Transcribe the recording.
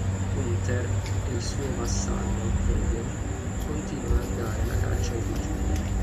Gunther e il suo vassallo Hagen continuano a dare la caccia ai fuggitivi.